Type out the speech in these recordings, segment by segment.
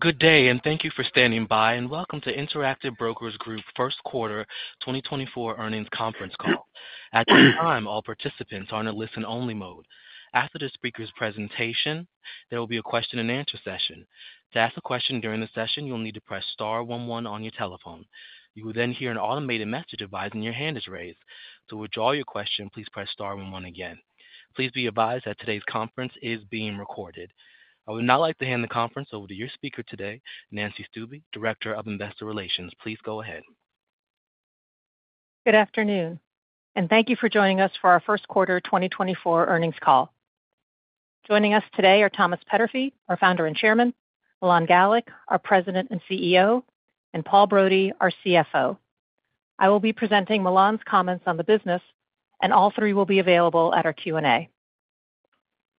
Good day, and thank you for standing by, and welcome to Interactive Brokers Group first quarter 2024 earnings conference call. At this time, all participants are in a listen-only mode. After the speaker's presentation, there will be a question-and-answer session. To ask a question during the session, you'll need to press star one one on your telephone. You will then hear an automated message advising your hand is raised. To withdraw your question, please press star one one again. Please be advised that today's conference is being recorded. I would now like to hand the conference over to your speaker today, Nancy Stuebe, Director of Investor Relations. Please go ahead. Good afternoon, and thank you for joining us for our first quarter 2024 earnings call. Joining us today are Thomas Peterffy, our Founder and Chairman; Milan Galik, our President and CEO; and Paul Brody, our CFO. I will be presenting Milan's comments on the business, and all three will be available at our Q&A.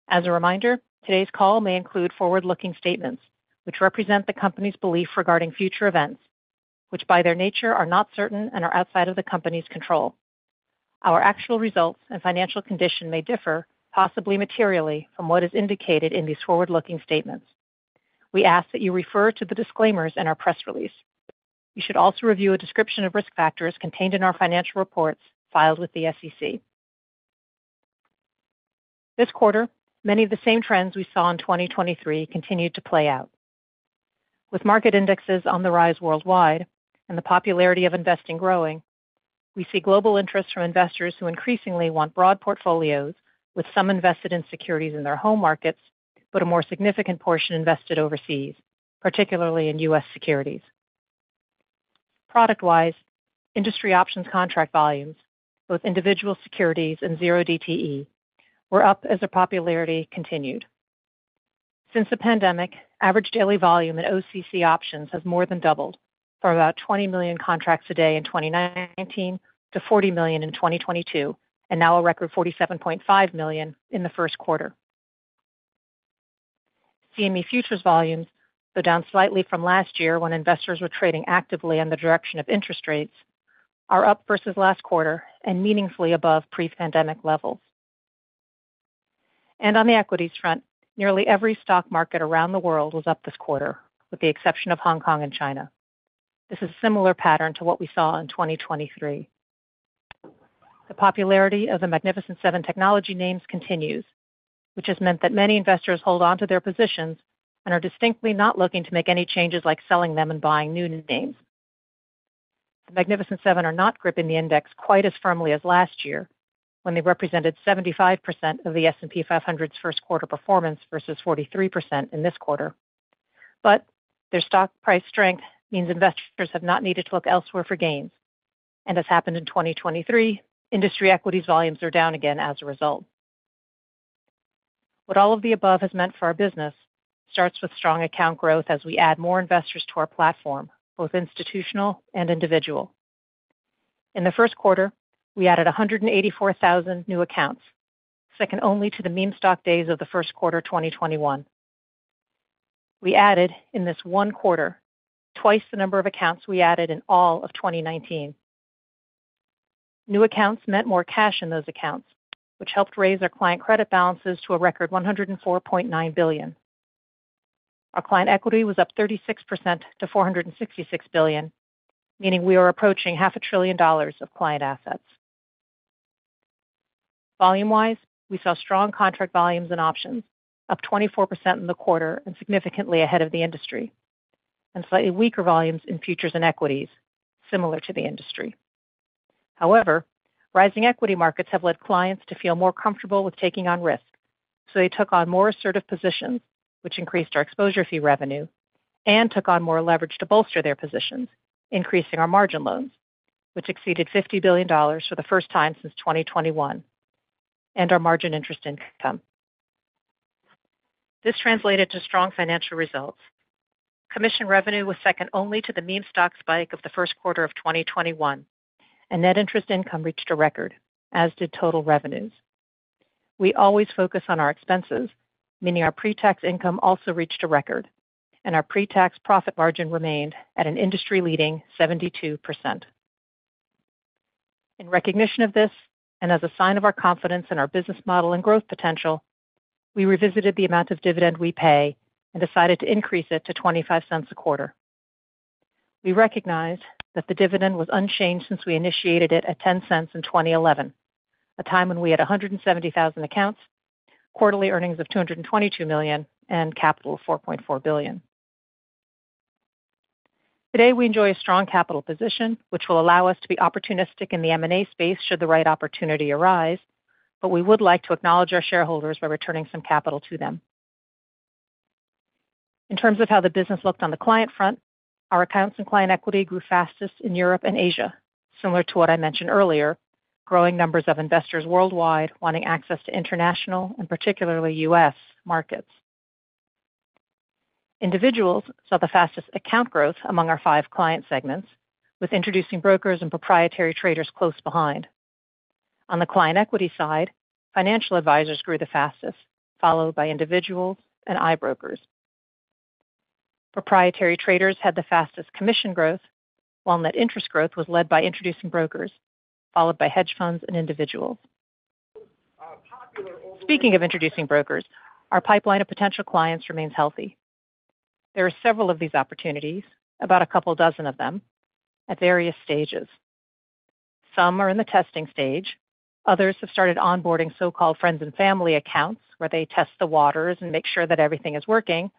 As a reminder, today's call may include forward-looking statements which represent the company's belief regarding future events, which by their nature are not certain and are outside of the company's control. Our actual results and financial condition may differ, possibly materially, from what is indicated in these forward-looking statements. We ask that you refer to the disclaimers in our press release. You should also review a description of risk factors contained in our financial reports filed with the SEC. This quarter, many of the same trends we saw in 2023 continued to play out. With market indexes on the rise worldwide and the popularity of investing growing, we see global interest from investors who increasingly want broad portfolios, with some invested in securities in their home markets but a more significant portion invested overseas, particularly in U.S. securities. Product-wise, industry options contract volumes, both individual securities and 0DTE, were up as their popularity continued. Since the pandemic, average daily volume in OCC options has more than doubled, from about 20 million contracts a day in 2019 to 40 million in 2022, and now a record 47.5 million in the first quarter. CME futures volumes, though down slightly from last year when investors were trading actively in the direction of interest rates, are up versus last quarter and meaningfully above pre-pandemic levels. On the equities front, nearly every stock market around the world was up this quarter, with the exception of Hong Kong and China. This is a similar pattern to what we saw in 2023. The popularity of the Magnificent Seven technology names continues, which has meant that many investors hold onto their positions and are distinctly not looking to make any changes like selling them and buying new names. The Magnificent Seven are not gripping the index quite as firmly as last year, when they represented 75% of the S&P 500's first quarter performance versus 43% in this quarter. But their stock price strength means investors have not needed to look elsewhere for gains. As happened in 2023, industry equities volumes are down again as a result. What all of the above has meant for our business starts with strong account growth as we add more investors to our platform, both institutional and individual. In the first quarter, we added 184,000 new accounts, second only to the meme stock days of the first quarter 2021. We added, in this one quarter, twice the number of accounts we added in all of 2019. New accounts meant more cash in those accounts, which helped raise our client credit balances to a record $104.9 billion. Our client equity was up 36% to $466 billion, meaning we are approaching $500 billion of client assets. Volume-wise, we saw strong contract volumes in options, up 24% in the quarter and significantly ahead of the industry, and slightly weaker volumes in futures and equities, similar to the industry. However, rising equity markets have led clients to feel more comfortable with taking on risk, so they took on more assertive positions, which increased our exposure fee revenue, and took on more leverage to bolster their positions, increasing our margin loans, which exceeded $50 billion for the first time since 2021, and our margin interest income. This translated to strong financial results. Commission revenue was second only to the meme stock spike of the first quarter of 2021, and net interest income reached a record, as did total revenues. We always focus on our expenses, meaning our pre-tax income also reached a record, and our pre-tax profit margin remained at an industry-leading 72%. In recognition of this and as a sign of our confidence in our business model and growth potential, we revisited the amount of dividend we pay and decided to increase it to $0.25 a quarter. We recognized that the dividend was unchanged since we initiated it at $0.10 in 2011, a time when we had 170,000 accounts, quarterly earnings of $222 million, and capital of $4.4 billion. Today, we enjoy a strong capital position, which will allow us to be opportunistic in the M&A space should the right opportunity arise, but we would like to acknowledge our shareholders by returning some capital to them. In terms of how the business looked on the client front, our accounts and client equity grew fastest in Europe and Asia, similar to what I mentioned earlier, growing numbers of investors worldwide wanting access to international and particularly U.S. markets. Individuals saw the fastest account growth among our five client segments, with introducing brokers and proprietary traders close behind. On the client equity side, financial advisors grew the fastest, followed by individuals and iBrokers. Proprietary traders had the fastest commission growth, while net interest growth was led by introducing brokers, followed by hedge funds and individuals. Speaking of introducing brokers, our pipeline of potential clients remains healthy. There are several of these opportunities, about a couple dozen of them, at various stages. Some are in the testing stage. Others have started onboarding so-called friends and family accounts where they test the waters and make sure that everything is working,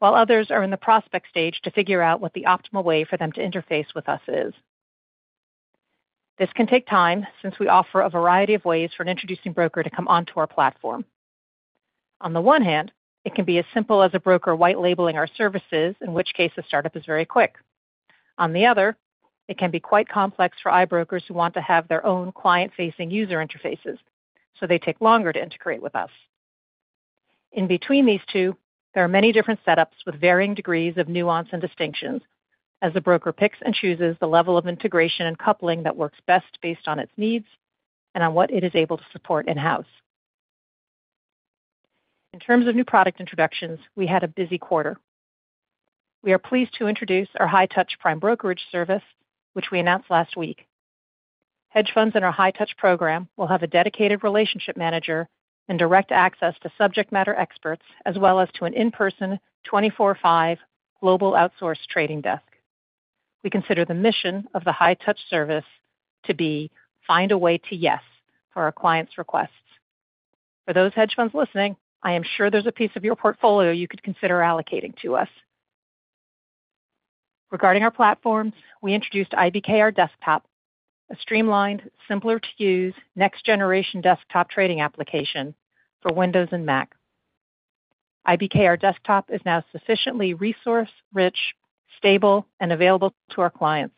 while others are in the prospect stage to figure out what the optimal way for them to interface with us is. This can take time since we offer a variety of ways for an introducing broker to come onto our platform. On the one hand, it can be as simple as a broker white-labeling our services, in which case the startup is very quick. On the other, it can be quite complex for iBrokers who want to have their own client-facing user interfaces, so they take longer to integrate with us. In between these two, there are many different setups with varying degrees of nuance and distinctions, as the broker picks and chooses the level of integration and coupling that works best based on its needs and on what it is able to support in-house. In terms of new product introductions, we had a busy quarter. We are pleased to introduce our High Touch Prime Brokerage service, which we announced last week. Hedge funds in our High Touch program will have a dedicated relationship manager and direct access to subject matter experts, as well as to an in-person, 24/5 global outsourced trading desk. We consider the mission of the High Touch service to be "find a way to yes" for our clients' requests. For those hedge funds listening, I am sure there's a piece of your portfolio you could consider allocating to us. Regarding our platforms, we introduced IBKR Desktop, a streamlined, simpler-to-use, next-generation desktop trading application for Windows and Mac. IBKR Desktop is now sufficiently resource-rich, stable, and available to our clients.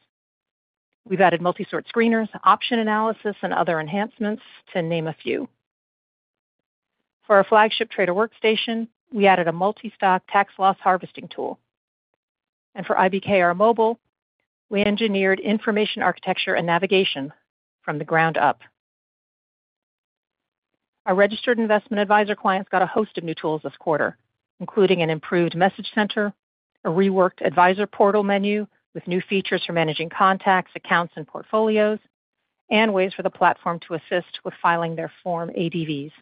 We've added multi-sort screeners, option analysis, and other enhancements, to name a few. For our flagship Trader Workstation, we added a multi-stock Tax Loss Harvesting tool. And for IBKR Mobile, we engineered information architecture and navigation from the ground up. Our registered investment advisor clients got a host of new tools this quarter, including an improved message center, a reworked Advisor Portal menu with new features for managing contacts, accounts, and portfolios, and ways for the platform to assist with filing their Form ADVs.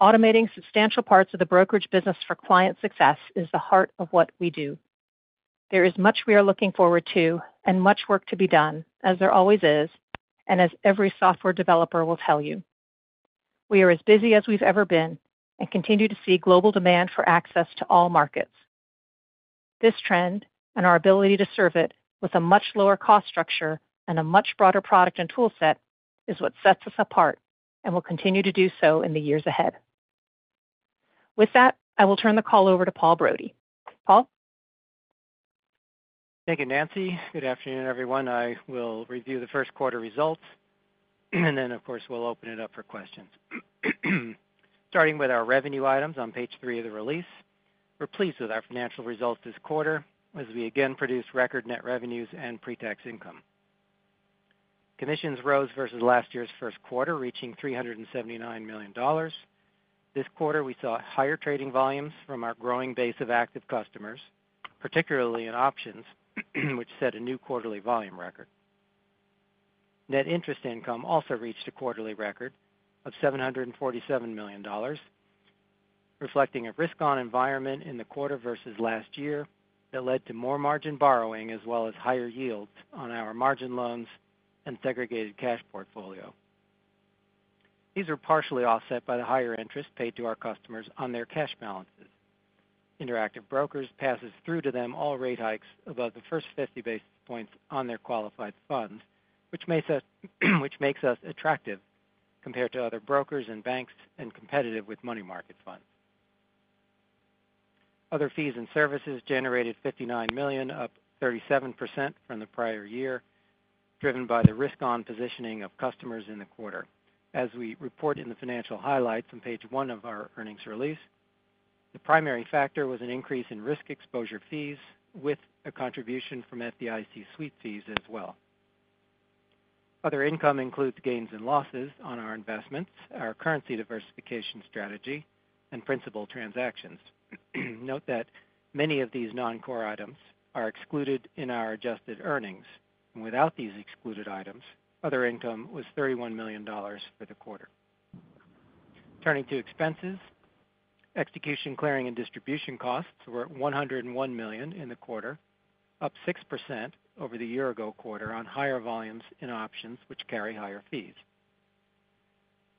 Automating substantial parts of the brokerage business for client success is the heart of what we do. There is much we are looking forward to and much work to be done, as there always is and as every software developer will tell you. We are as busy as we've ever been and continue to see global demand for access to all markets. This trend and our ability to serve it with a much lower cost structure and a much broader product and toolset is what sets us apart and will continue to do so in the years ahead. With that, I will turn the call over to Paul Brody. Paul? Thank you, Nancy. Good afternoon, everyone. I will review the first quarter results, and then, of course, we'll open it up for questions. Starting with our revenue items on page three of the release, we're pleased with our financial results this quarter as we again produce record net revenues and pre-tax income. Commissions rose versus last year's first quarter, reaching $379 million. This quarter, we saw higher trading volumes from our growing base of active customers, particularly in options, which set a new quarterly volume record. Net interest income also reached a quarterly record of $747 million, reflecting a risk-on environment in the quarter versus last year that led to more margin borrowing as well as higher yields on our margin loans and segregated cash portfolio. These are partially offset by the higher interest paid to our customers on their cash balances. Interactive Brokers passes through to them all rate hikes above the first 50 basis points on their qualified funds, which makes us attractive compared to other brokers and banks and competitive with money market funds. Other fees and services generated $59 million, up 37% from the prior year, driven by the risk-on positioning of customers in the quarter. As we report in the financial highlights on page one of our earnings release, the primary factor was an increase in risk exposure fees with a contribution from FDIC sweep fees as well. Other income includes gains and losses on our investments, our currency diversification strategy, and principal transactions. Note that many of these non-core items are excluded in our adjusted earnings. Without these excluded items, other income was $31 million for the quarter. Turning to expenses, execution, clearing, and distribution costs were at $101 million in the quarter, up 6% over the year-ago quarter on higher volumes in options, which carry higher fees.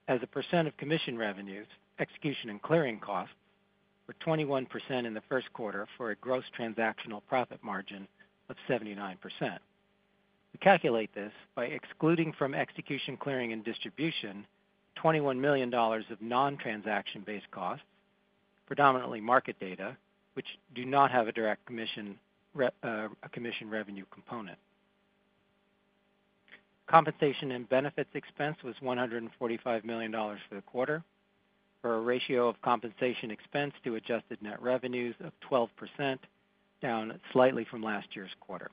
As a percent of commission revenues, execution and clearing costs were 21% in the first quarter for a gross transactional profit margin of 79%. We calculate this by excluding from execution, clearing, and distribution $21 million of non-transaction-based costs, predominantly market data, which do not have a direct commission revenue component. Compensation and benefits expense was $145 million for the quarter, for a ratio of compensation expense to adjusted net revenues of 12%, down slightly from last year's quarter.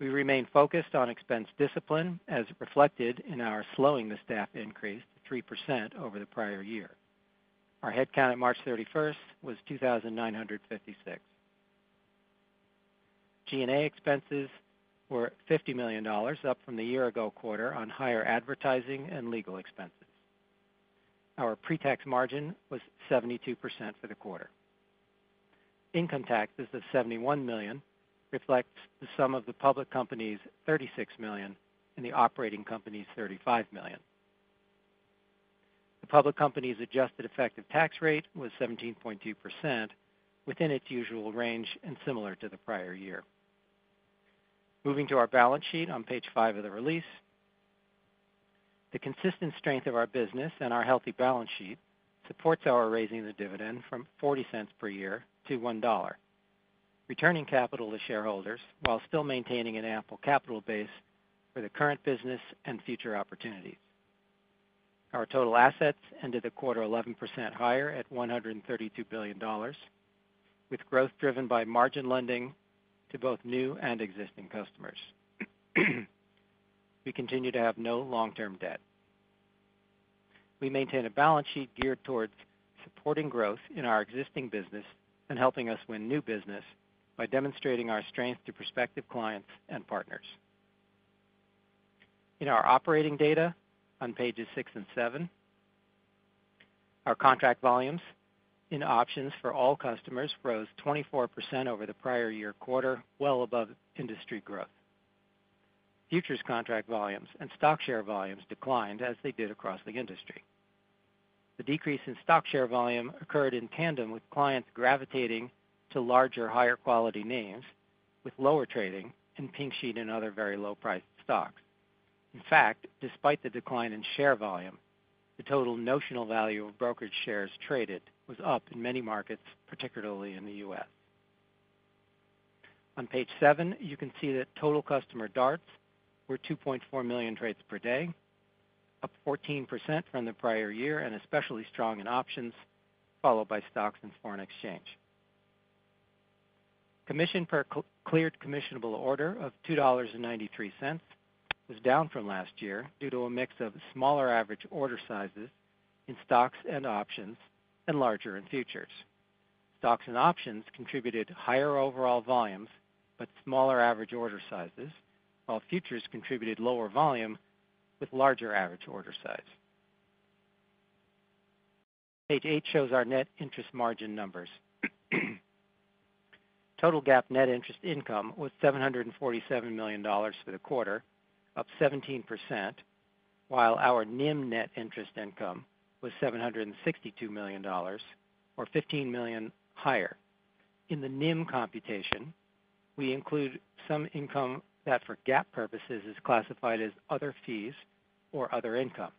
We remain focused on expense discipline as reflected in our slowing the staff increase to 3% over the prior year. Our headcount at March 31st was 2,956. G&A expenses were $50 million, up from the year-ago quarter on higher advertising and legal expenses. Our pre-tax margin was 72% for the quarter. Income taxes of $71 million reflect the sum of the public company's $36 million and the operating company's $35 million. The public company's adjusted effective tax rate was 17.2%, within its usual range and similar to the prior year. Moving to our balance sheet on page five of the release, the consistent strength of our business and our healthy balance sheet supports our raising the dividend from $0.40 per year to $1, returning capital to shareholders while still maintaining an ample capital base for the current business and future opportunities. Our total assets ended the quarter 11% higher at $132 billion, with growth driven by margin lending to both new and existing customers. We continue to have no long-term debt. We maintain a balance sheet geared towards supporting growth in our existing business and helping us win new business by demonstrating our strength to prospective clients and partners. In our operating data on pages six and seven, our contract volumes in options for all customers rose 24% over the prior year quarter, well above industry growth. Futures contract volumes and stock share volumes declined as they did across the industry. The decrease in stock share volume occurred in tandem with clients gravitating to larger, higher quality names with lower trading in Pink Sheet and other very low-priced stocks. In fact, despite the decline in share volume, the total notional value of brokerage shares traded was up in many markets, particularly in the U.S. On page seven, you can see that total customer DARTs were 2.4 million trades per day, up 14% from the prior year and especially strong in options, followed by stocks and foreign exchange. Commission per cleared commissionable order of $2.93 was down from last year due to a mix of smaller average order sizes in stocks and options and larger in futures. Stocks and options contributed higher overall volumes but smaller average order sizes, while futures contributed lower volume with larger average order size. Page eight shows our net interest margin numbers. Total GAAP net interest income was $747 million for the quarter, up 17%, while our NIM net interest income was $762 million or $15 million higher. In the NIM computation, we include some income that for GAAP purposes is classified as other fees or other income,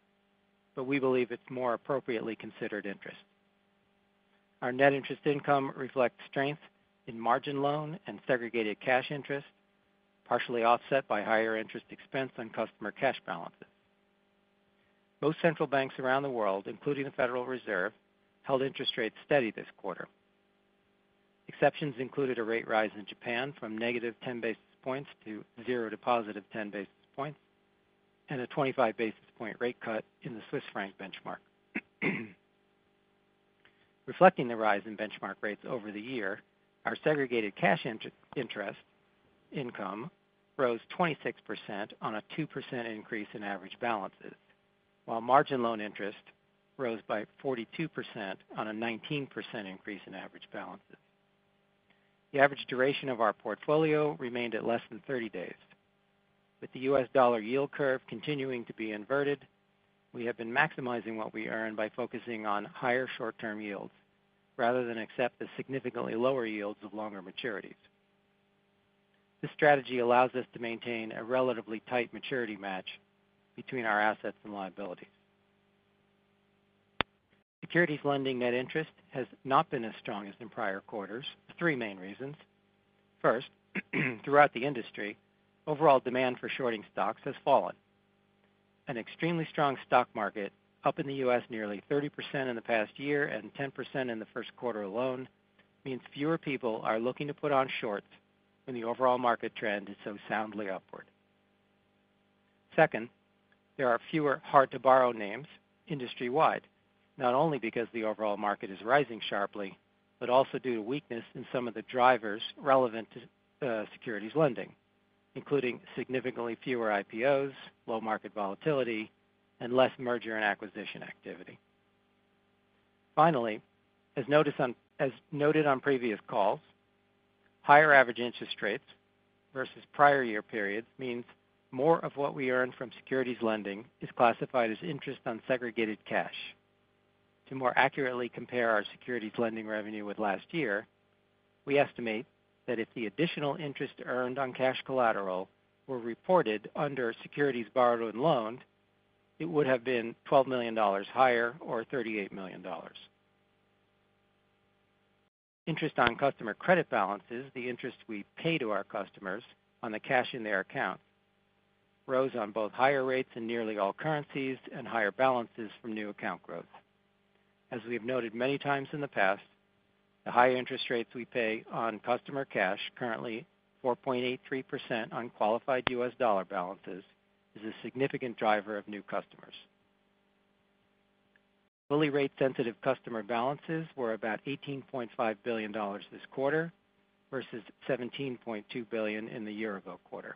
but we believe it's more appropriately considered interest. Our net interest income reflects strength in margin loan and segregated cash interest, partially offset by higher interest expense on customer cash balances. Most central banks around the world, including the Federal Reserve, held interest rates steady this quarter. Exceptions included a rate rise in Japan from -10 basis points to zero to +10 basis points and a 25 basis point rate cut in the Swiss franc benchmark. Reflecting the rise in benchmark rates over the year, our segregated cash interest income rose 26% on a 2% increase in average balances, while margin loan interest rose by 42% on a 19% increase in average balances. The average duration of our portfolio remained at less than 30 days. With the U.S. Dollar yield curve continuing to be inverted, we have been maximizing what we earn by focusing on higher short-term yields rather than accept the significantly lower yields of longer maturities. This strategy allows us to maintain a relatively tight maturity match between our assets and liabilities. Securities lending net interest has not been as strong as in prior quarters for three main reasons. First, throughout the industry, overall demand for shorting stocks has fallen. An extremely strong stock market up in the U.S. nearly 30% in the past year and 10% in the first quarter alone means fewer people are looking to put on shorts when the overall market trend is so soundly upward. Second, there are fewer hard-to-borrow names industry-wide, not only because the overall market is rising sharply, but also due to weakness in some of the drivers relevant to securities lending, including significantly fewer IPOs, low market volatility, and less merger and acquisition activity. Finally, as noted on previous calls, higher average interest rates versus prior year periods means more of what we earn from securities lending is classified as interest on segregated cash. To more accurately compare our securities lending revenue with last year, we estimate that if the additional interest earned on cash collateral were reported under securities borrowed and loaned, it would have been $12 million higher, or $38 million. Interest on customer credit balances, the interest we pay to our customers on the cash in their account, rose on both higher rates in nearly all currencies and higher balances from new account growth. As we have noted many times in the past, the higher interest rates we pay on customer cash, currently 4.83% on qualified U.S. dollar balances, is a significant driver of new customers. Fully rate-sensitive customer balances were about $18.5 billion this quarter versus $17.2 billion in the year-ago quarter.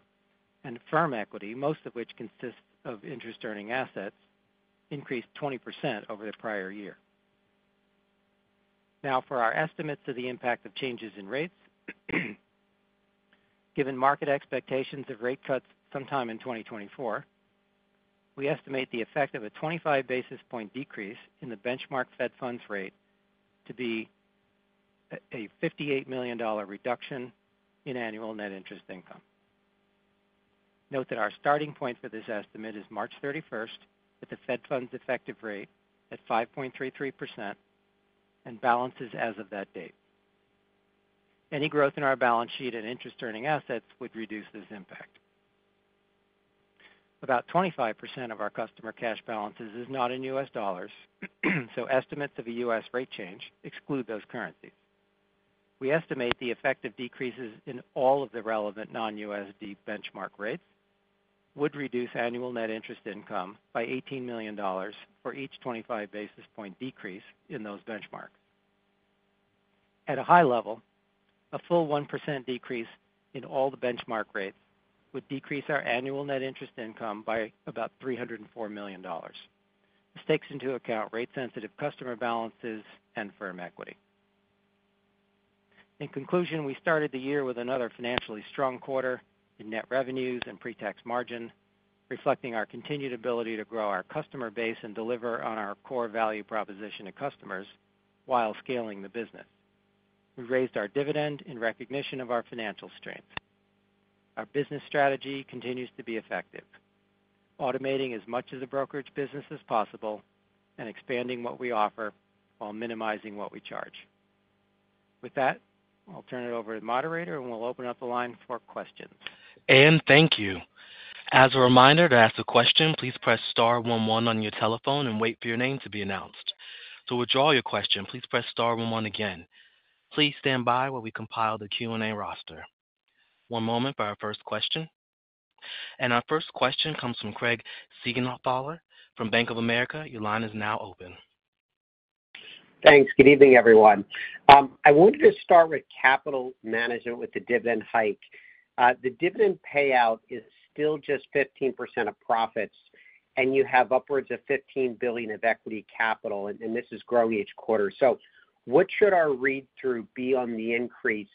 Firm equity, most of which consists of interest-earning assets, increased 20% over the prior year. Now, for our estimates of the impact of changes in rates, given market expectations of rate cuts sometime in 2024, we estimate the effect of a 25 basis point decrease in the benchmark Fed funds rate to be a $58 million reduction in annual net interest income. Note that our starting point for this estimate is March 31st with the Fed funds effective rate at 5.33% and balances as of that date. Any growth in our balance sheet and interest-earning assets would reduce this impact. About 25% of our customer cash balances is not in U.S. dollars, so estimates of a U.S. rate change exclude those currencies. We estimate the effect of decreases in all of the relevant non-USD benchmark rates would reduce annual net interest income by $18 million for each 25 basis points decrease in those benchmarks. At a high level, a full 1% decrease in all the benchmark rates would decrease our annual net interest income by about $304 million. This takes into account rate-sensitive customer balances and firm equity. In conclusion, we started the year with another financially strong quarter in net revenues and pre-tax margin, reflecting our continued ability to grow our customer base and deliver on our core value proposition to customers while scaling the business. We raised our dividend in recognition of our financial strength. Our business strategy continues to be effective, automating as much of the brokerage business as possible and expanding what we offer while minimizing what we charge. With that, I'll turn it over to the moderator and we'll open up the line for questions. Anne, thank you. As a reminder, to ask a question, please press star one one on your telephone and wait for your name to be announced. To withdraw your question, please press star one one again. Please stand by while we compile the Q&A roster. One moment for our first question. Our first question comes from Craig Siegenthaler from Bank of America. Your line is now open. Thanks. Good evening, everyone. I wanted to start with capital management with the dividend hike. The dividend payout is still just 15% of profits and you have upwards of $15 billion of equity capital, and this is growing each quarter. So what should our read-through be on the increase?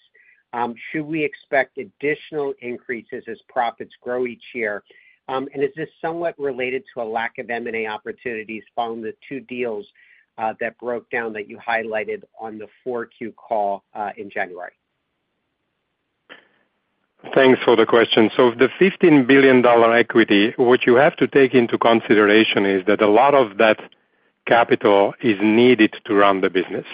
Should we expect additional increases as profits grow each year? And is this somewhat related to a lack of M&A opportunities following the two deals that broke down that you highlighted on the 4Q call in January? Thanks for the question. So with the $15 billion equity, what you have to take into consideration is that a lot of that capital is needed to run the business.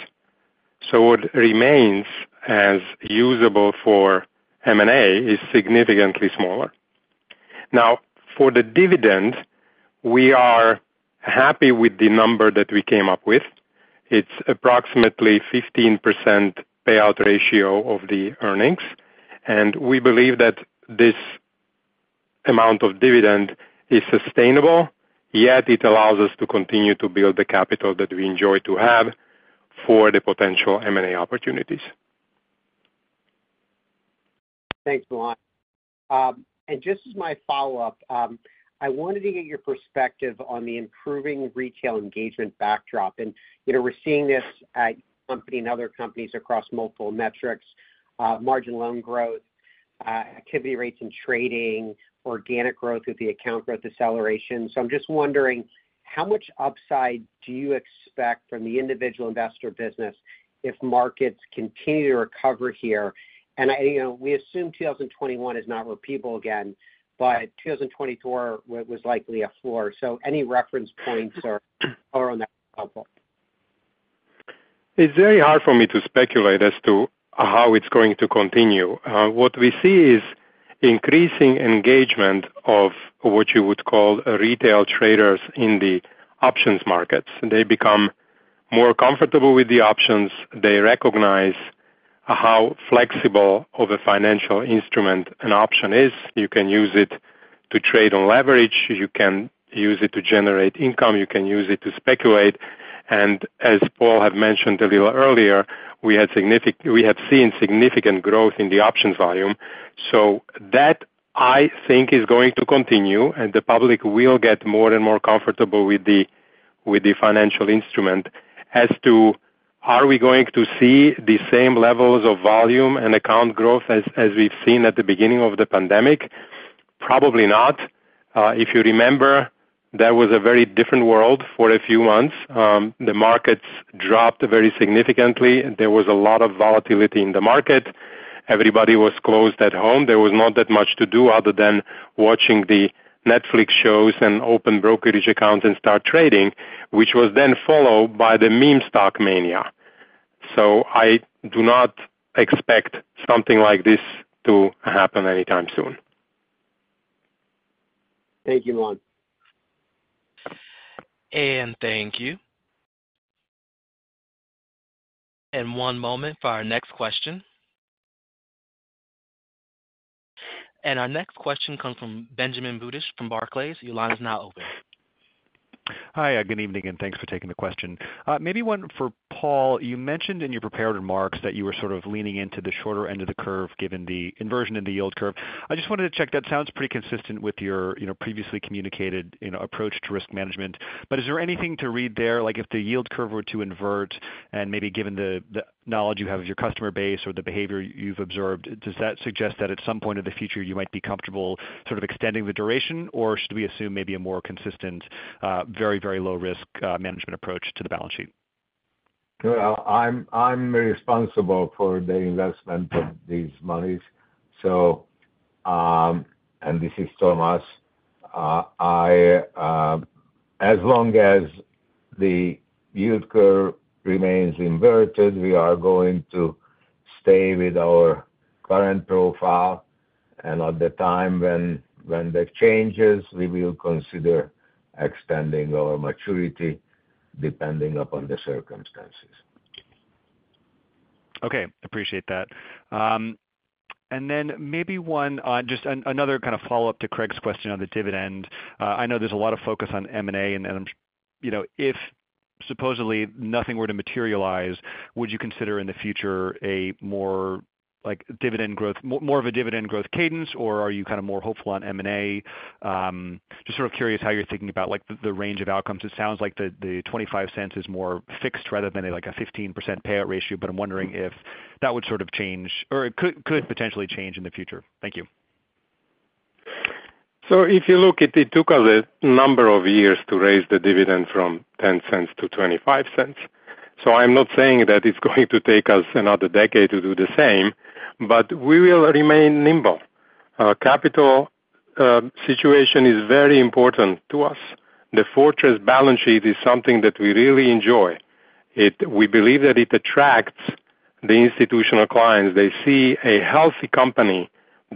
So what remains as usable for M&A is significantly smaller. Now, for the dividend, we are happy with the number that we came up with. It's approximately 15% payout ratio of the earnings, and we believe that this amount of dividend is sustainable, yet it allows us to continue to build the capital that we enjoy to have for the potential M&A opportunities. Thanks, Milan. And just as my follow-up, I wanted to get your perspective on the improving retail engagement backdrop. And we're seeing this at your company and other companies across multiple metrics: margin loan growth, activity rates in trading, organic growth with the account growth acceleration. So I'm just wondering, how much upside do you expect from the individual investor business if markets continue to recover here? And we assume 2021 is not repeatable again, but 2024 was likely a floor. So any reference points or on that would be helpful. It's very hard for me to speculate as to how it's going to continue. What we see is increasing engagement of what you would call retail traders in the options markets. They become more comfortable with the options. They recognize how flexible of a financial instrument an option is. You can use it to trade on leverage. You can use it to generate income. You can use it to speculate. And as Paul had mentioned a little earlier, we have seen significant growth in the options volume. So that, I think, is going to continue, and the public will get more and more comfortable with the financial instrument. As to are we going to see the same levels of volume and account growth as we've seen at the beginning of the pandemic? Probably not. If you remember, that was a very different world for a few months. The markets dropped very significantly. There was a lot of volatility in the market. Everybody was closed at home. There was not that much to do other than watching the Netflix shows and open brokerage accounts and start trading, which was then followed by the meme stock mania. So I do not expect something like this to happen anytime soon. Thank you, Milan. Anne, thank you. One moment for our next question. Our next question comes from Benjamin Budish from Barclays. Your line is now open. Hi. Good evening and thanks for taking the question. Maybe one for Paul. You mentioned in your preparatory remarks that you were sort of leaning into the shorter end of the curve given the inversion in the yield curve. I just wanted to check. That sounds pretty consistent with your previously communicated approach to risk management. But is there anything to read there? If the yield curve were to invert, and maybe given the knowledge you have of your customer base or the behavior you've observed, does that suggest that at some point in the future you might be comfortable sort of extending the duration, or should we assume maybe a more consistent, very, very low-risk management approach to the balance sheet? Well, I'm responsible for the investment of these monies, and this is Thomas. As long as the yield curve remains inverted, we are going to stay with our current profile. At the time when that changes, we will consider extending our maturity depending upon the circumstances. Okay. Appreciate that. And then maybe one, just another kind of follow-up to Craig's question on the dividend. I know there's a lot of focus on M&A, and if supposedly nothing were to materialize, would you consider in the future a more dividend growth more of a dividend growth cadence, or are you kind of more hopeful on M&A? Just sort of curious how you're thinking about the range of outcomes. It sounds like the $0.25 is more fixed rather than a 15% payout ratio, but I'm wondering if that would sort of change or it could potentially change in the future. Thank you. So if you look at it, it took us a number of years to raise the dividend from $0.10-$0.25. So I'm not saying that it's going to take us another decade to do the same, but we will remain nimble. Capital situation is very important to us. The fortress balance sheet is something that we really enjoy. We believe that it attracts the institutional clients. They see a healthy company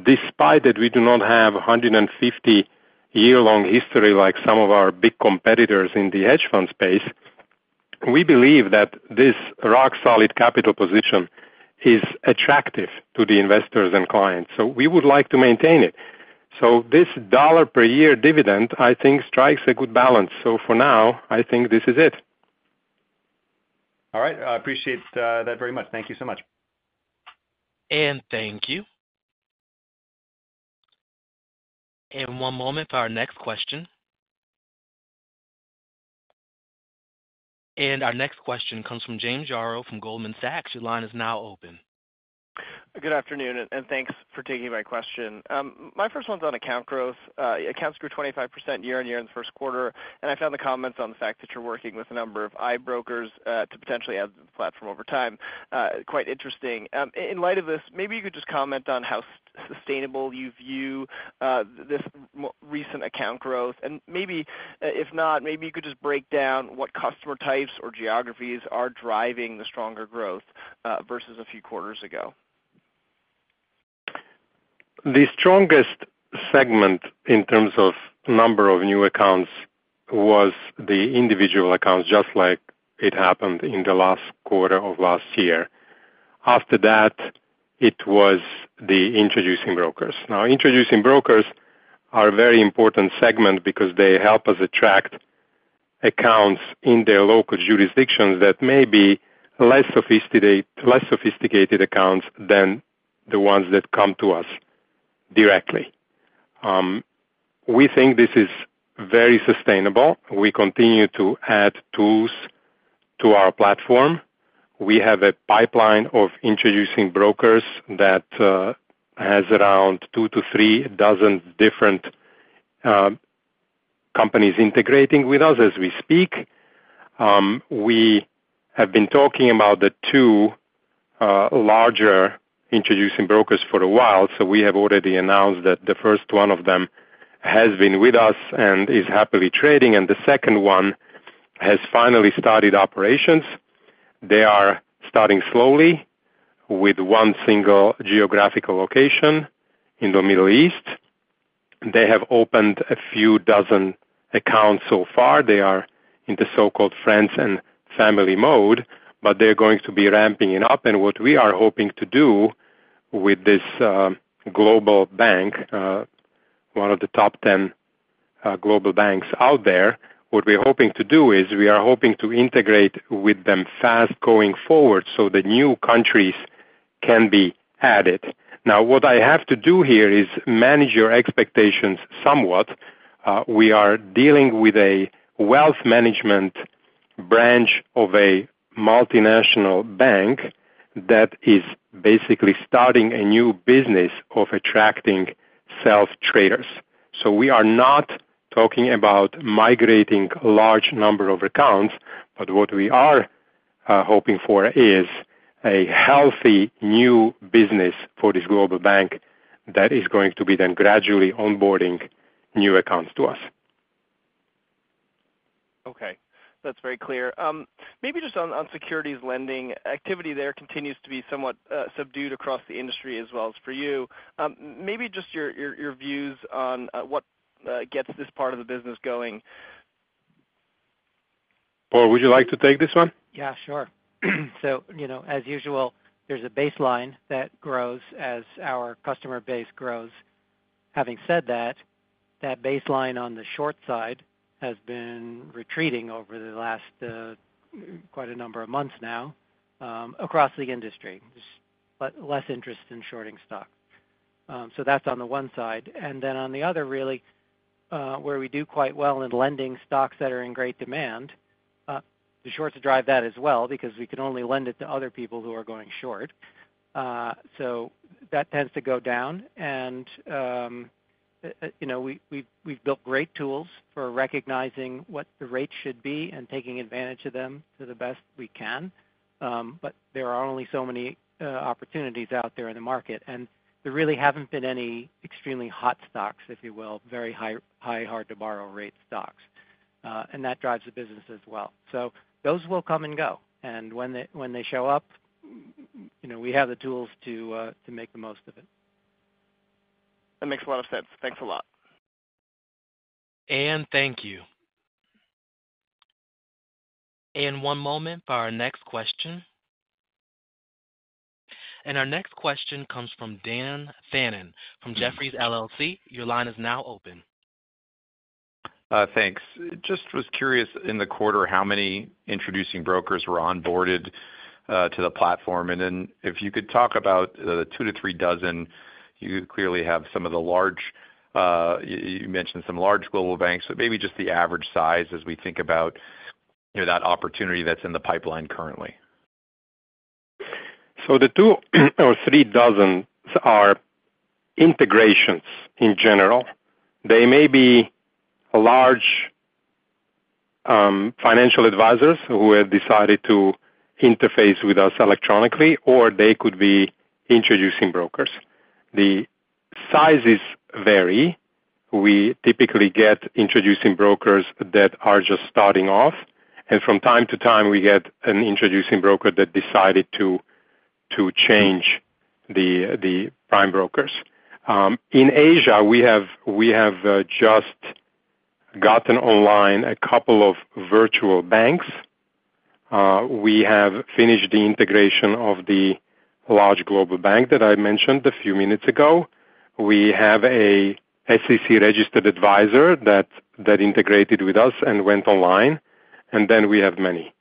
despite that we do not have a 150-year-long history like some of our big competitors in the hedge fund space. We believe that this rock-solid capital position is attractive to the investors and clients. So we would like to maintain it. So this $1-per-year dividend, I think, strikes a good balance. So for now, I think this is it. All right. I appreciate that very much. Thank you so much. Anne, thank you. One moment for our next question. Our next question comes from James Yaro from Goldman Sachs. Your line is now open. Good afternoon and thanks for taking my question. My first one's on account growth. Accounts grew 25% year-over-year in the first quarter, and I found the comments on the fact that you're working with a number of iBrokers to potentially add to the platform over time. Quite interesting. In light of this, maybe you could just comment on how sustainable you view this recent account growth. And maybe, if not, maybe you could just break down what customer types or geographies are driving the stronger growth versus a few quarters ago. The strongest segment in terms of number of new accounts was the individual accounts, just like it happened in the last quarter of last year. After that, it was the introducing brokers. Now, introducing brokers are a very important segment because they help us attract accounts in their local jurisdictions that may be less sophisticated accounts than the ones that come to us directly. We think this is very sustainable. We continue to add tools to our platform. We have a pipeline of introducing brokers that has around 2-3 dozen different companies integrating with us as we speak. We have been talking about the two larger introducing brokers for a while, so we have already announced that the first one of them has been with us and is happily trading, and the second one has finally started operations. They are starting slowly with one single geographical location in the Middle East. They have opened a few dozen accounts so far. They are in the so-called friends and family mode, but they're going to be ramping it up. What we are hoping to do with this global bank, one of the top 10 global banks out there, what we're hoping to do is we are hoping to integrate with them fast going forward so that new countries can be added. Now, what I have to do here is manage your expectations somewhat. We are dealing with a wealth management branch of a multinational bank that is basically starting a new business of attracting self-traders. We are not talking about migrating a large number of accounts, but what we are hoping for is a healthy new business for this global bank that is going to be then gradually onboarding new accounts to us. Okay. That's very clear. Maybe just on securities lending. Activity there continues to be somewhat subdued across the industry as well as for you. Maybe just your views on what gets this part of the business going. Paul, would you like to take this one? Yeah, sure. So as usual, there's a baseline that grows as our customer base grows. Having said that, that baseline on the short side has been retreating over the last quite a number of months now across the industry. There's less interest in shorting stocks. So that's on the one side. And then on the other, really, where we do quite well in lending stocks that are in great demand, the shorts drive that as well because we can only lend it to other people who are going short. So that tends to go down. And we've built great tools for recognizing what the rates should be and taking advantage of them to the best we can. But there are only so many opportunities out there in the market. And there really haven't been any extremely hot stocks, if you will, very high, hard-to-borrow rate stocks. That drives the business as well. So those will come and go. And when they show up, we have the tools to make the most of it. That makes a lot of sense. Thanks a lot. Anne, thank you. One moment for our next question. Our next question comes from Dan Fannon from Jefferies LLC. Your line is now open. Thanks. Just was curious in the quarter how many introducing brokers were onboarded to the platform. And then if you could talk about the two-three dozen, you clearly have some of the large you mentioned some large global banks, but maybe just the average size as we think about that opportunity that's in the pipeline currently. So the two or three dozen are integrations in general. They may be large financial advisors who have decided to interface with us electronically, or they could be introducing brokers. The sizes vary. We typically get introducing brokers that are just starting off, and from time to time, we get an introducing broker that decided to change the prime brokers. In Asia, we have just gotten online a couple of virtual banks. We have finished the integration of the large global bank that I mentioned a few minutes ago. We have an SEC-registered advisor that integrated with us and went online. And then we have many,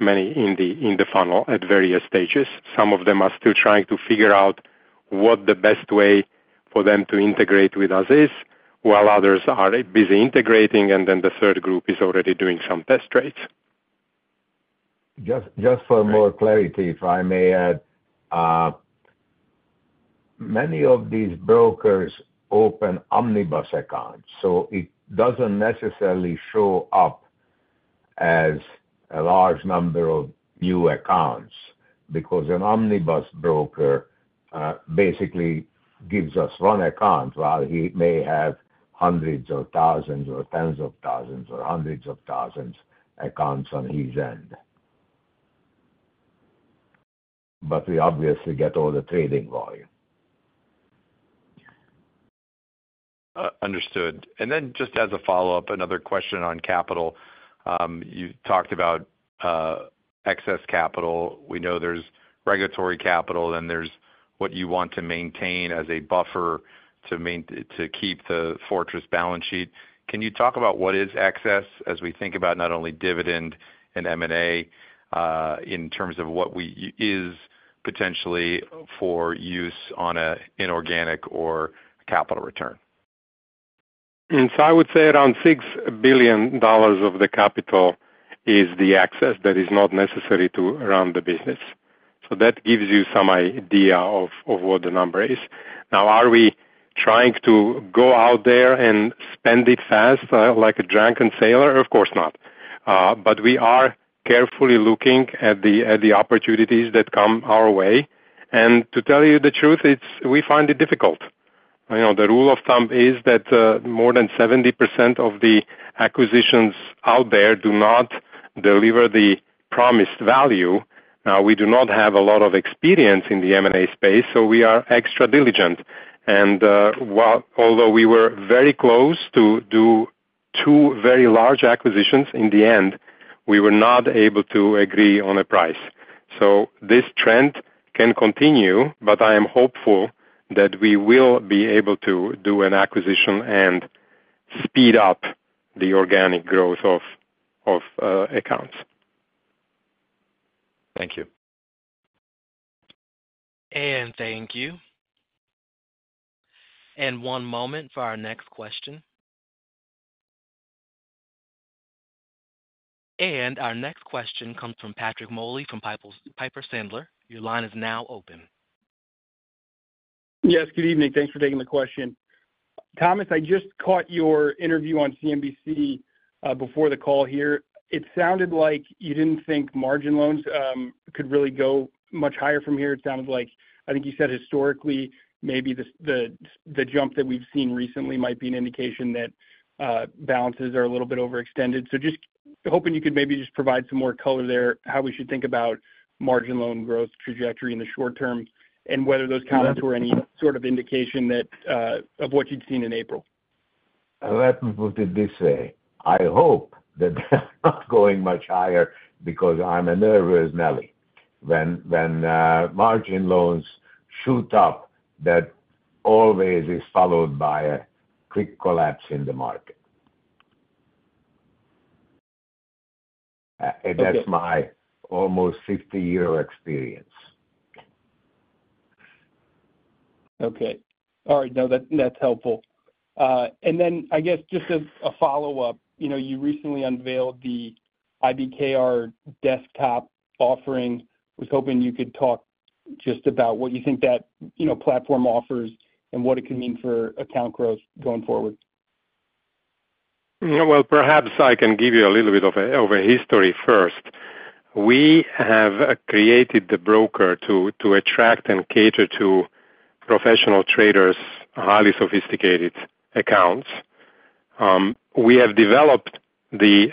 many in the funnel at various stages. Some of them are still trying to figure out what the best way for them to integrate with us is, while others are busy integrating, and then the third group is already doing some test rates. Just for more clarity, if I may add, many of these brokers open omnibus accounts, so it doesn't necessarily show up as a large number of new accounts because an omnibus broker basically gives us one account while he may have hundreds or thousands or tens of thousands or hundreds of thousands accounts on his end. But we obviously get all the trading volume. Understood. And then just as a follow-up, another question on capital. You talked about excess capital. We know there's regulatory capital, and there's what you want to maintain as a buffer to keep the fortress balance sheet. Can you talk about what is excess as we think about not only dividend and M&A in terms of what is potentially for use on an inorganic or capital return? So I would say around $6 billion of the capital is the excess that is not necessary to run the business. So that gives you some idea of what the number is. Now, are we trying to go out there and spend it fast like a drunken sailor? Of course not. But we are carefully looking at the opportunities that come our way. And to tell you the truth, we find it difficult. The rule of thumb is that more than 70% of the acquisitions out there do not deliver the promised value. Now, we do not have a lot of experience in the M&A space, so we are extra diligent. And although we were very close to do two very large acquisitions in the end, we were not able to agree on a price. This trend can continue, but I am hopeful that we will be able to do an acquisition and speed up the organic growth of accounts. Thank you. Anne, thank you. One moment for our next question. Our next question comes from Patrick Moley from Piper Sandler. Your line is now open. Yes. Good evening. Thanks for taking the question. Thomas, I just caught your interview on CNBC before the call here. It sounded like you didn't think margin loans could really go much higher from here. It sounded like I think you said historically, maybe the jump that we've seen recently might be an indication that balances are a little bit overextended. So just hoping you could maybe just provide some more color there how we should think about margin loan growth trajectory in the short term and whether those comments were any sort of indication of what you'd seen in April. Let me put it this way. I hope that they're not going much higher because I'm a nervous Nelly. When margin loans shoot up, that always is followed by a quick collapse in the market. That's my almost 50-year experience. Okay. All right. No, that's helpful. And then I guess just a follow-up. You recently unveiled the IBKR Desktop offering. I was hoping you could talk just about what you think that platform offers and what it could mean for account growth going forward. Well, perhaps I can give you a little bit of a history first. We have created the broker to attract and cater to professional traders, highly sophisticated accounts. We have developed the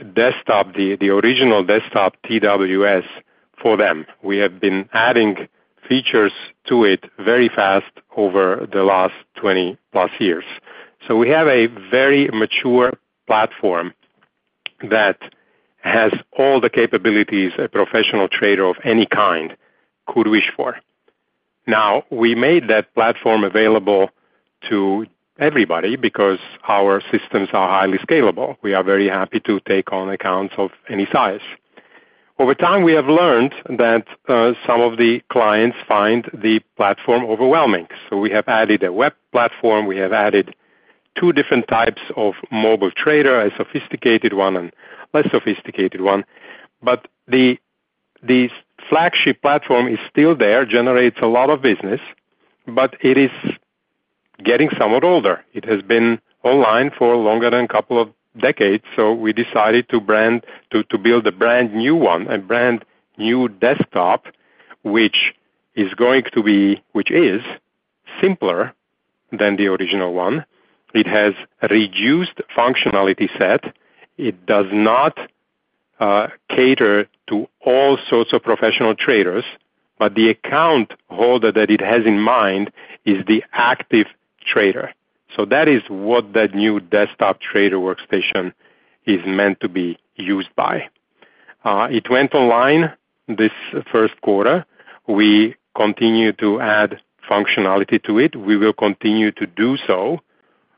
original desktop TWS for them. We have been adding features to it very fast over the last 20+ years. So we have a very mature platform that has all the capabilities a professional trader of any kind could wish for. Now, we made that platform available to everybody because our systems are highly scalable. We are very happy to take on accounts of any size. Over time, we have learned that some of the clients find the platform overwhelming. So we have added a web platform. We have added two different types of mobile trader, a sophisticated one and a less sophisticated one. But the flagship platform is still there, generates a lot of business, but it is getting somewhat older. It has been online for longer than a couple of decades, so we decided to build a brand new one, a brand new desktop, which is simpler than the original one. It has a reduced functionality set. It does not cater to all sorts of professional traders, but the account holder that it has in mind is the active trader. So that is what that new desktop trader workstation is meant to be used by. It went online this first quarter. We continue to add functionality to it. We will continue to do so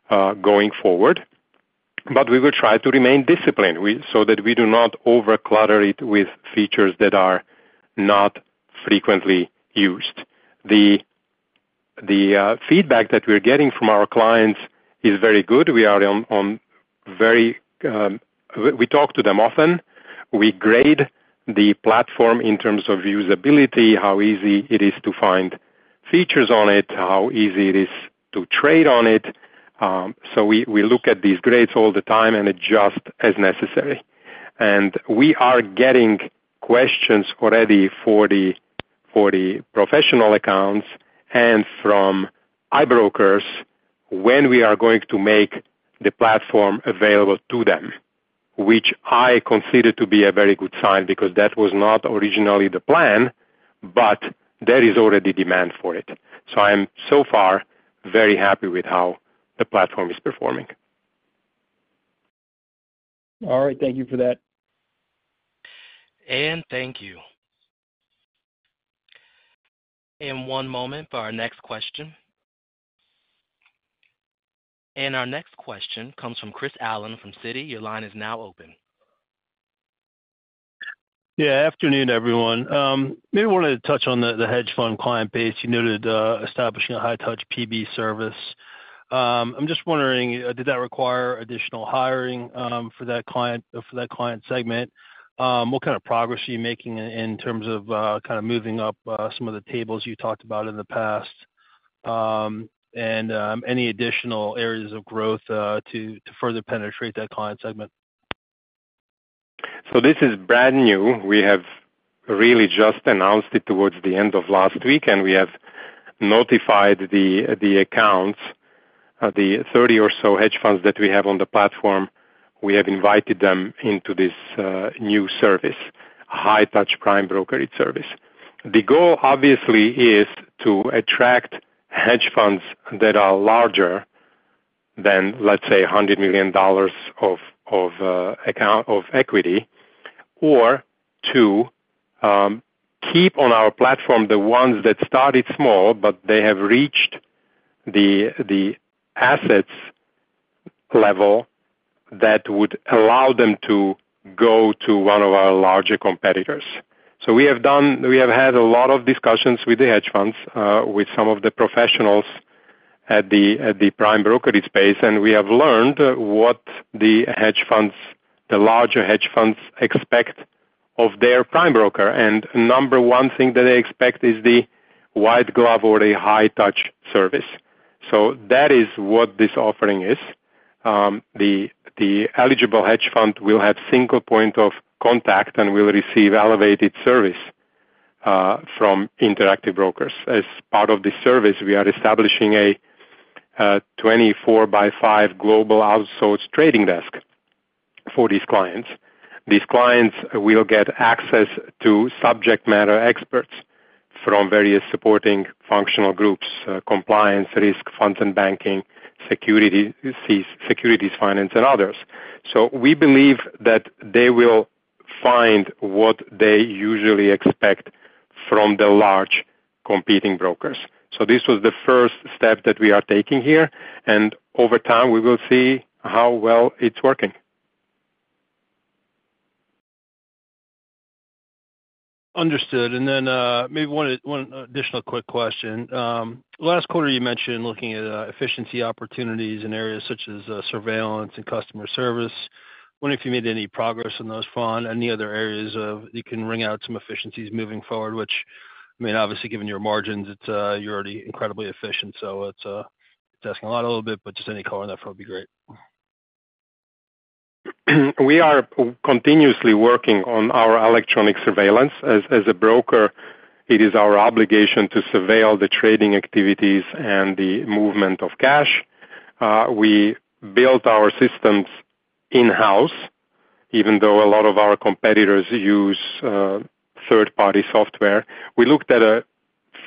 going forward. But we will try to remain disciplined so that we do not overclutter it with features that are not frequently used. The feedback that we're getting from our clients is very good. We are on very good terms with them. We talk to them often. We grade the platform in terms of usability, how easy it is to find features on it, how easy it is to trade on it. So we look at these grades all the time and adjust as necessary. And we are getting questions already for the professional accounts and from iBrokers when we are going to make the platform available to them, which I consider to be a very good sign because that was not originally the plan, but there is already demand for it. So I am so far very happy with how the platform is performing. All right. Thank you for that. Anne, thank you. One moment for our next question. Our next question comes from Chris Allen from Citi. Your line is now open. Yeah. Afternoon, everyone. Maybe I wanted to touch on the hedge fund client base. You noted establishing a high-touch PB service. I'm just wondering, did that require additional hiring for that client segment? What kind of progress are you making in terms of kind of moving up some of the tables you talked about in the past and any additional areas of growth to further penetrate that client segment? So this is brand new. We have really just announced it towards the end of last week, and we have notified the accounts, the 30 or so hedge funds that we have on the platform. We have invited them into this new service, a high-touch prime brokerage service. The goal, obviously, is to attract hedge funds that are larger than, let's say, $100 million of equity or to keep on our platform the ones that started small, but they have reached the assets level that would allow them to go to one of our larger competitors. So we have had a lot of discussions with the hedge funds, with some of the professionals at the prime brokerage space, and we have learned what the larger hedge funds expect of their prime broker. And number one thing that they expect is the white glove or a high-touch service. That is what this offering is. The eligible hedge fund will have single point of contact and will receive elevated service from Interactive Brokers. As part of this service, we are establishing a 24/5 global outsource trading desk for these clients. These clients will get access to subject matter experts from various supporting functional groups, compliance, risk, funds and banking, securities, finance, and others. We believe that they will find what they usually expect from the large competing brokers. This was the first step that we are taking here. Over time, we will see how well it's working. Understood. And then maybe one additional quick question. Last quarter, you mentioned looking at efficiency opportunities in areas such as surveillance and customer service. Wondering if you made any progress on those fronts, any other areas where you can wring out some efficiencies moving forward, which I mean, obviously, given your margins, you're already incredibly efficient. So it's asking a lot a little bit, but just any color on that front would be great. We are continuously working on our electronic surveillance. As a broker, it is our obligation to surveil the trading activities and the movement of cash. We built our systems in-house, even though a lot of our competitors use third-party software. We looked at a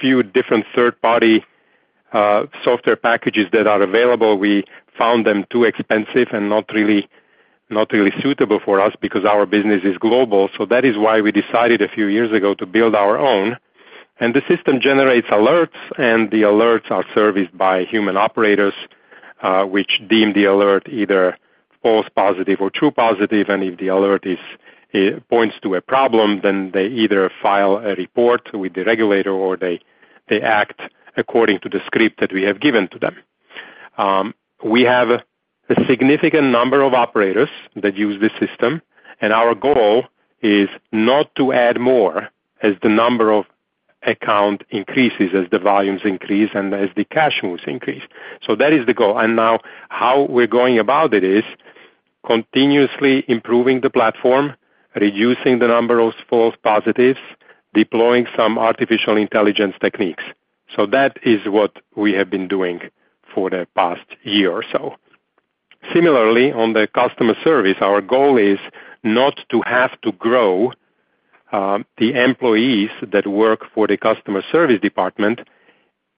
few different third-party software packages that are available. We found them too expensive and not really suitable for us because our business is global. So that is why we decided a few years ago to build our own. The system generates alerts, and the alerts are serviced by human operators, which deem the alert either false positive or true positive. If the alert points to a problem, then they either file a report with the regulator or they act according to the script that we have given to them. We have a significant number of operators that use this system, and our goal is not to add more as the number of accounts increases, as the volumes increase, and as the cash moves increase. So that is the goal. Now how we're going about it is continuously improving the platform, reducing the number of false positives, deploying some artificial intelligence techniques. So that is what we have been doing for the past year or so. Similarly, on the customer service, our goal is not to have to grow the employees that work for the customer service department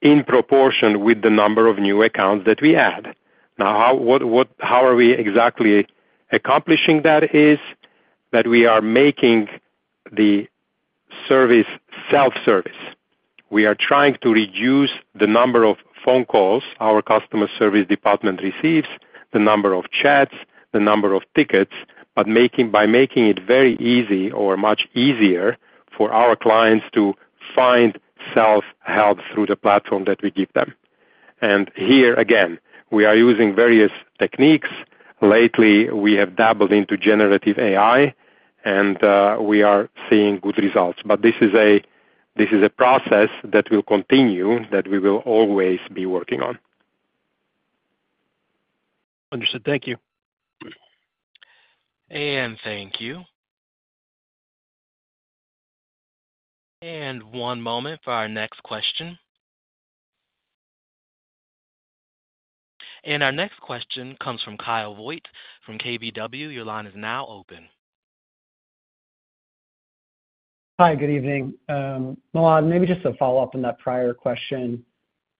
in proportion with the number of new accounts that we add. Now, how are we exactly accomplishing that? Is that we are making the service self-service. We are trying to reduce the number of phone calls our customer service department receives, the number of chats, the number of tickets, but by making it very easy or much easier for our clients to find self-help through the platform that we give them. Here again, we are using various techniques. Lately, we have dabbled into generative AI, and we are seeing good results. This is a process that will continue, that we will always be working on. Understood. Thank you. Anne, thank you. One moment for our next question. Our next question comes from Kyle Voigt from KBW. Your line is now open. Hi. Good evening. Milan, maybe just a follow-up on that prior question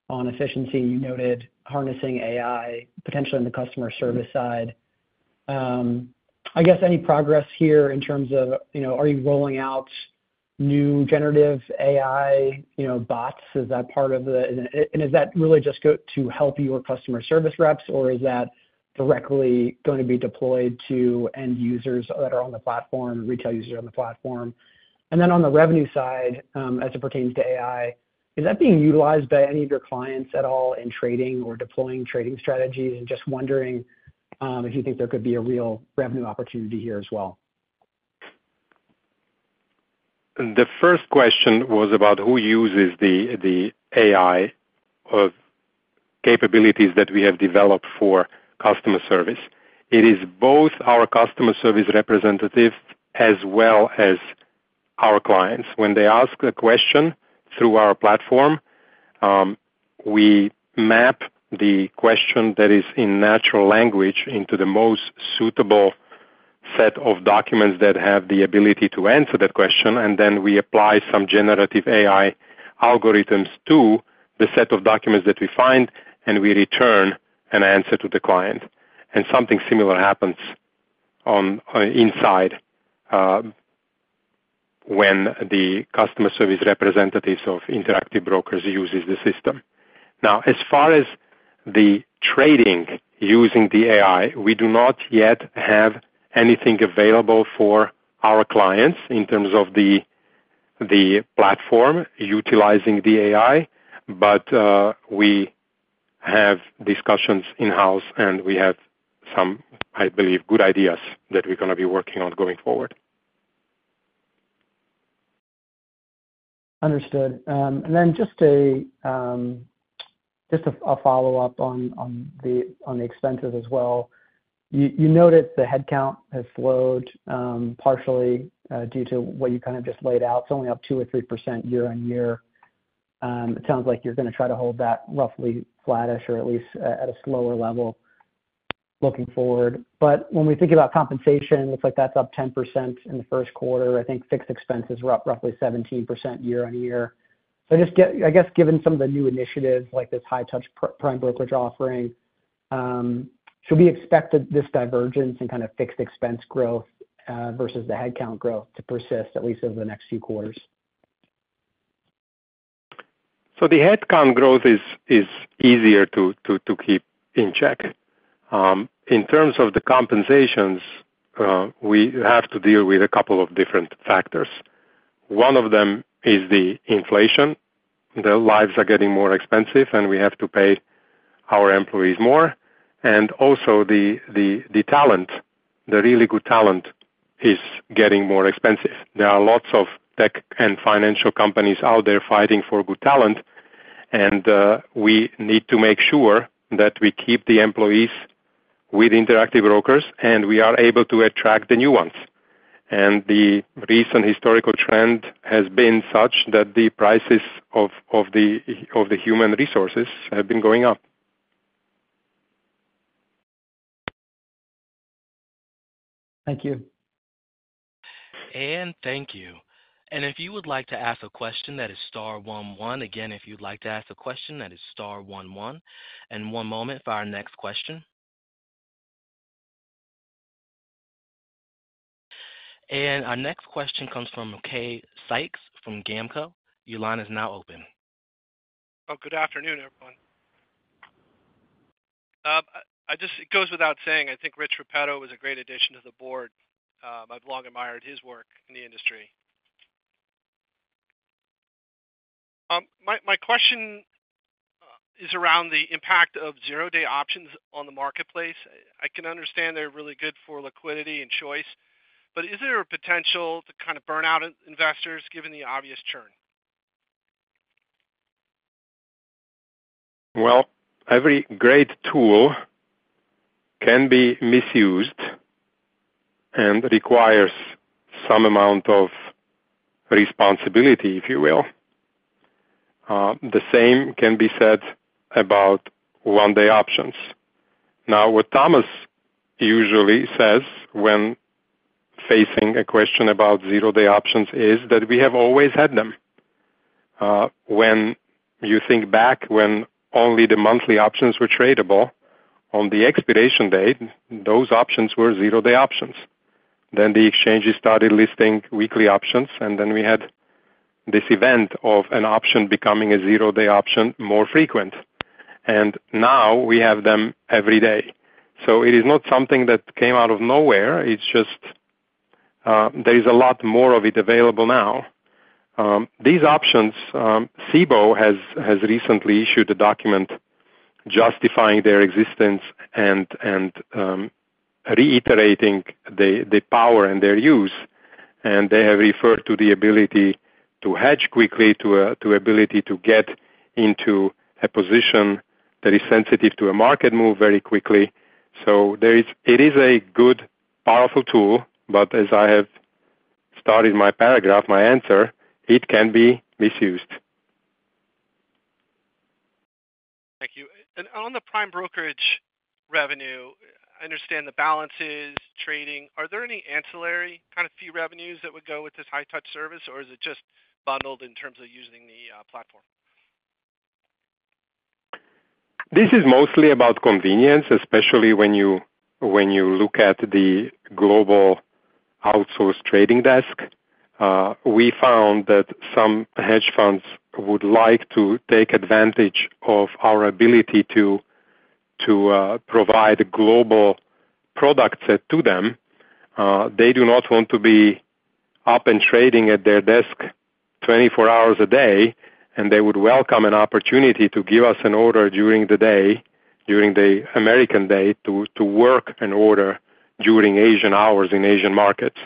on efficiency. You noted harnessing AI potentially on the customer service side. I guess any progress here in terms of are you rolling out new generative AI bots? Is that part of the and is that really just to help your customer service reps, or is that directly going to be deployed to end users that are on the platform, retail users on the platform? And then on the revenue side, as it pertains to AI, is that being utilized by any of your clients at all in trading or deploying trading strategies? And just wondering if you think there could be a real revenue opportunity here as well. The first question was about who uses the AI capabilities that we have developed for customer service. It is both our customer service representatives as well as our clients. When they ask a question through our platform, we map the question that is in natural language into the most suitable set of documents that have the ability to answer that question. And then we apply some generative AI algorithms to the set of documents that we find, and we return an answer to the client. Something similar happens inside when the customer service representatives of Interactive Brokers use the system. Now, as far as the trading using the AI, we do not yet have anything available for our clients in terms of the platform utilizing the AI. We have discussions in-house, and we have some, I believe, good ideas that we're going to be working on going forward. Understood. Then just a follow-up on the expenses as well. You noted the headcount has slowed partially due to what you kind of just laid out. It's only up 2 or 3% year-on-year. It sounds like you're going to try to hold that roughly flattish or at least at a slower level looking forward. When we think about compensation, it looks like that's up 10% in the first quarter. I think fixed expenses were up roughly 17% year-on-year. I guess given some of the new initiatives like this High Touch Prime Brokerage offering, should we expect this divergence in kind of fixed expense growth versus the headcount growth to persist at least over the next few quarters? The headcount growth is easier to keep in check. In terms of the compensations, we have to deal with a couple of different factors. One of them is the inflation. The lives are getting more expensive, and we have to pay our employees more. The talent, the really good talent, is getting more expensive. There are lots of tech and financial companies out there fighting for good talent. We need to make sure that we keep the employees with Interactive Brokers, and we are able to attract the new ones. The recent historical trend has been such that the prices of the human resources have been going up. Thank you. Anne, thank you. And if you would like to ask a question, that is star one one. Again, if you'd like to ask a question, that is star one one. And one moment for our next question. And our next question comes from Macrae Sykes from GAMCO. Your line is now open. Oh, good afternoon, everyone. It goes without saying. I think Rich Repetto was a great addition to the board. I've long admired his work in the industry. My question is around the impact of zero-day options on the marketplace. I can understand they're really good for liquidity and choice, but is there a potential to kind of burn out investors given the obvious churn? Well, every great tool can be misused and requires some amount of responsibility, if you will. The same can be said about one-day options. Now, what Thomas usually says when facing a question about zero-day options is that we have always had them. When you think back, when only the monthly options were tradable, on the expiration date, those options were zero-day options. Then the exchange started listing weekly options, and then we had this event of an option becoming a zero-day option more frequent. And now, we have them every day. So it is not something that came out of nowhere. It's just there is a lot more of it available now. These options, CBOE has recently issued a document justifying their existence and reiterating the power and their use. And they have referred to the ability to hedge quickly, to the ability to get into a position that is sensitive to a market move very quickly. So it is a good, powerful tool. But as I have started my paragraph, my answer, it can be misused. Thank you. On the prime brokerage revenue, I understand the balances, trading. Are there any ancillary kind of fee revenues that would go with this high-touch service, or is it just bundled in terms of using the platform? This is mostly about convenience, especially when you look at the global outsource trading desk. We found that some hedge funds would like to take advantage of our ability to provide a global product set to them. They do not want to be up and trading at their desk 24 hours a day. They would welcome an opportunity to give us an order during the day, during the American day, to work an order during Asian hours in Asian markets.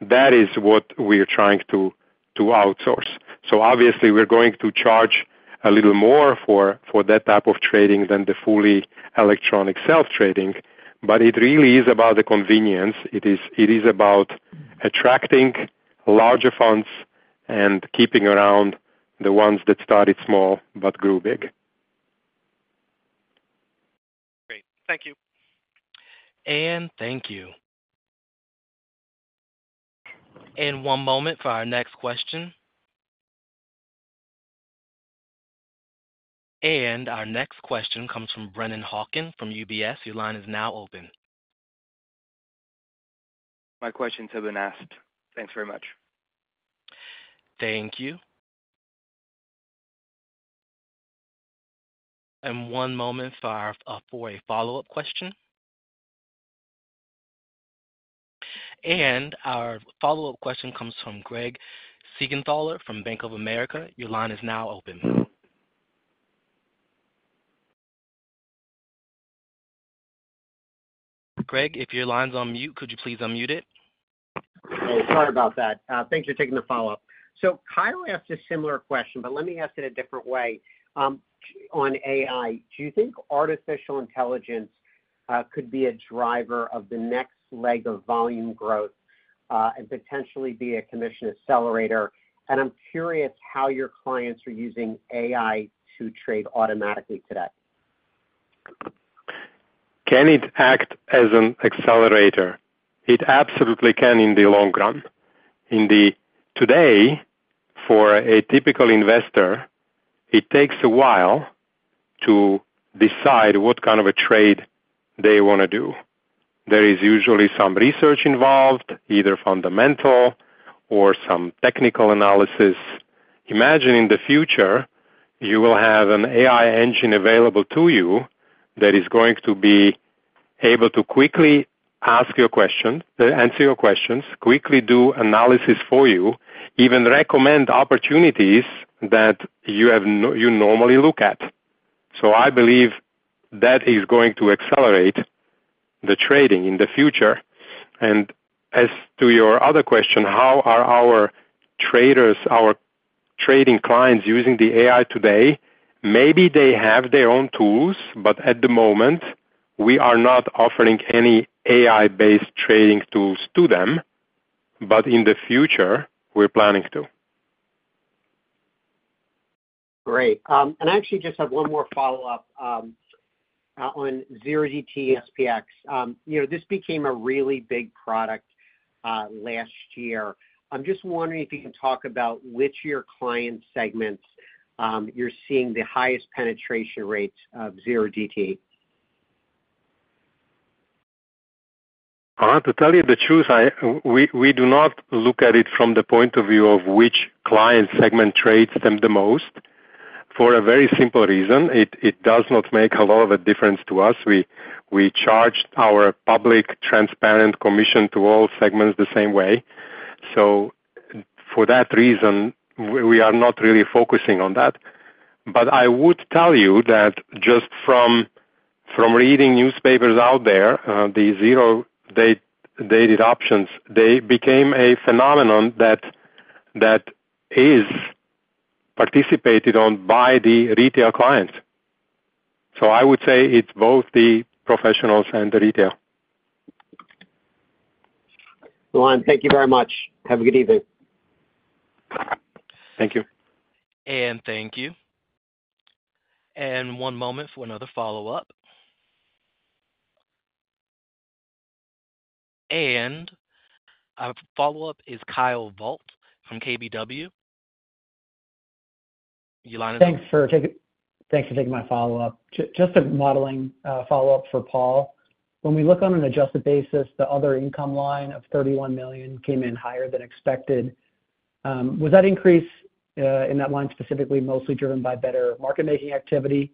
That is what we're trying to outsource. Obviously, we're going to charge a little more for that type of trading than the fully electronic self-trading. It really is about the convenience. It is about attracting larger funds and keeping around the ones that started small but grew big. Great. Thank you. And, thank you. One moment for our next question. Our next question comes from Brennan Hawken from UBS. Your line is now open. My questions have been asked. Thanks very much. Thank you. And one moment for a follow-up question. And our follow-up question comes from Craig Siegenthaler from Bank of America. Your line is now open. Craig, if your line's on mute, could you please unmute it? Sorry about that. Thanks for taking the follow-up. Kyle asked a similar question, but let me ask it a different way. On AI, do you think artificial intelligence could be a driver of the next leg of volume growth and potentially be a commission accelerator? I'm curious how your clients are using AI to trade automatically today? Can it act as an accelerator? It absolutely can in the long run. Today, for a typical investor, it takes a while to decide what kind of a trade they want to do. There is usually some research involved, either fundamental or some technical analysis. Imagine in the future, you will have an AI engine available to you that is going to be able to quickly answer your questions, quickly do analysis for you, even recommend opportunities that you normally look at. So I believe that is going to accelerate the trading in the future. And as to your other question, how are our trading clients using the AI today? Maybe they have their own tools, but at the moment, we are not offering any AI-based trading tools to them. But in the future, we're planning to. Great. And I actually just have one more follow-up on 0DTE SPX. This became a really big product last year. I'm just wondering if you can talk about which of your client segments you're seeing the highest penetration rates of 0DTE. To tell you the truth, we do not look at it from the point of view of which client segment trades them the most for a very simple reason. It does not make a lot of a difference to us. We charge our public, transparent commission to all segments the same way. So for that reason, we are not really focusing on that. But I would tell you that just from reading newspapers out there, the zero-day options, they became a phenomenon that is participated on by the retail clients. So I would say it's both the professionals and the retail. Milan, thank you very much. Have a good evening. Thank you. Anne, thank you. One moment for another follow-up. Our follow-up is Kyle Voigt from KBW. Your line is up. Thanks for taking my follow-up. Just a modeling follow-up for Paul. When we look on an adjusted basis, the other income line of $31 million came in higher than expected. Was that increase in that line specifically mostly driven by better market-making activity?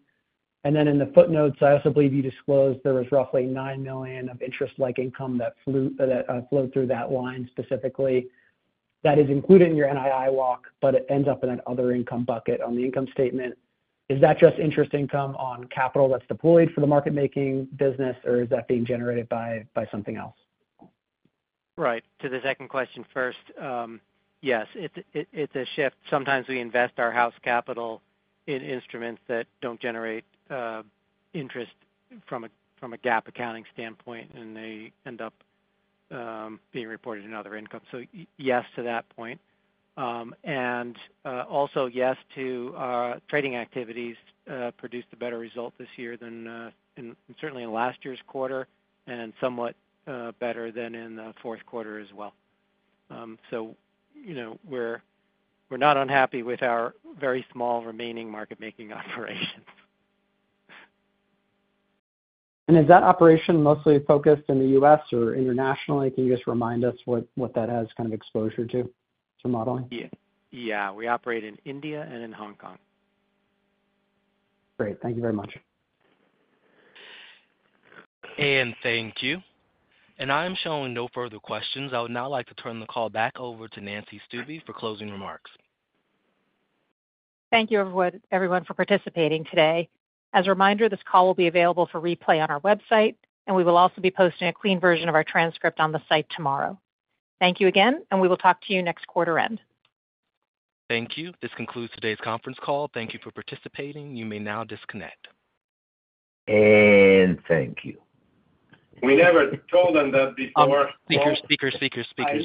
And then in the footnotes, I also believe you disclosed there was roughly $9 million of interest-like income that flowed through that line specifically. That is included in your NII walk, but it ends up in that other income bucket on the income statement. Is that just interest income on capital that's deployed for the market-making business, or is that being generated by something else? Right. To the second question first, yes, it's a shift. Sometimes we invest our house capital in instruments that don't generate interest from a GAAP accounting standpoint, and they end up being reported in other income. So yes to that point. And also, yes to our trading activities produced a better result this year than certainly in last year's quarter and somewhat better than in the fourth quarter as well. So we're not unhappy with our very small remaining market-making operations. Is that operation mostly focused in the U.S. or internationally? Can you just remind us what that has kind of exposure to, to modeling? Yeah. We operate in India and in Hong Kong. Great. Thank you very much. Anne, thank you. I am showing no further questions. I would now like to turn the call back over to Nancy Stuebe for closing remarks. Thank you, everyone, for participating today. As a reminder, this call will be available for replay on our website, and we will also be posting a clean version of our transcript on the site tomorrow. Thank you again, and we will talk to you next quarter end. Thank you. This concludes today's conference call. Thank you for participating. You may now disconnect. Thank you. We never told them that before. Oh, speakers, speakers, speakers, speakers.